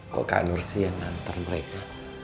kok kak nur sih yang nantar mereka